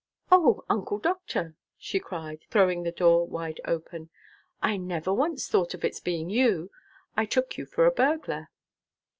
"O, Uncle Doctor!" she cried, throwing the door wide open. "I never once thought of its being you. I took you for a burglar."